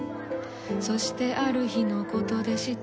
そしてある日のことでした。